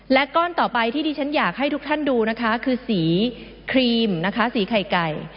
และก้อนต่อไปที่ดิฉันอยากให้ทุกท่านดูนะคะคือสีครีมนะคะสีไข่ไก่